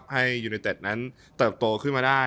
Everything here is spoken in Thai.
ให้อัพยูนิเต็ดนั้นเติบโตขึ้นมาได้